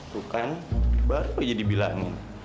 tuh kan baru aja dibilangin